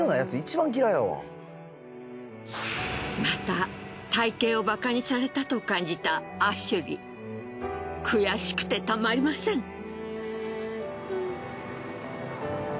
また体型を馬鹿にされたと感じたアシュリー。悔しくてたまりません。